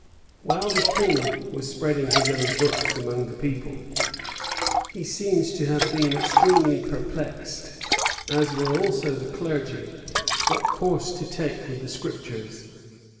While the king was spreading his own books among the people, he seems to have been extremely perplexed, as were also the clergy, what course to take with the Scriptures.